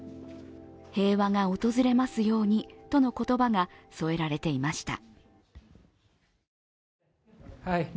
「平和が訪れますように」との言葉が添えられていました。